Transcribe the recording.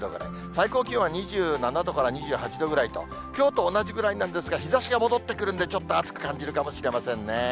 最高気温は２７度から２８度ぐらいと、きょうと同じぐらいなんですが、日ざしが戻ってくるんで、ちょっと暑く感じるかもしれませんね。